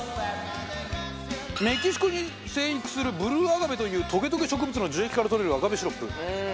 メキシコに生育するブルーアガベというトゲトゲ植物の樹液からとれるアガベシロップ。